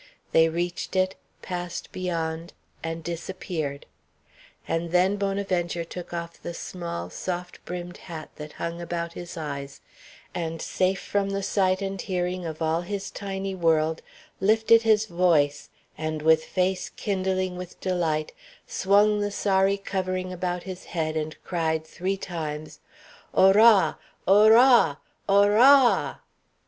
They reached it, passed beyond, and disappeared; and then Bonaventure took off the small, soft brimmed hat that hung about his eyes, and, safe from the sight and hearing of all his tiny world, lifted his voice, and with face kindling with delight swung the sorry covering about his head and cried three times: "Ora! Or r ra! Ora a a a!"